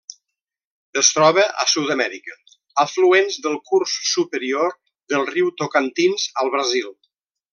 Es troba a Sud-amèrica: afluents del curs superior del riu Tocantins al Brasil.